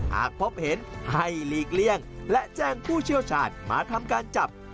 หากพบเห็นให้หลีกเลี่ยงและแจ้งผู้เชี่ยวชาญมาทำการจับ